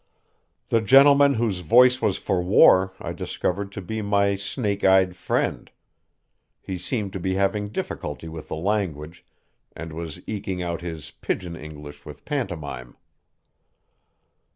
The gentleman whose voice was for war I discovered to be my snake eyed friend. He seemed to be having difficulty with the language, and was eking out his Pidgin English with pantomime.